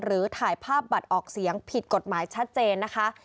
ถ่ายภาพบัตรออกเสียงผิดกฎหมายชัดเจนนะคะ